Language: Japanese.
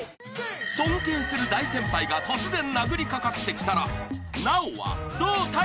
［尊敬する大先輩が突然殴りかかってきたら奈緒はどう対処する？］